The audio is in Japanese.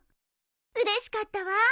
うれしかったわ。